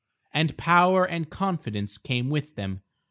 And power and confidence came with them.